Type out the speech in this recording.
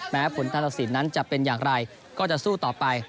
ผลธสินนั้นจะเป็นอย่างไรก็จะสู้ต่อไป